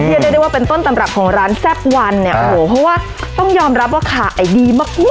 เรียกได้ว่าเป็นต้นตำรับของร้านแซ่บวันเนี่ยโอ้โหเพราะว่าต้องยอมรับว่าขายดีมากมาก